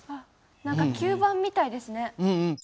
何か吸盤みたいですね。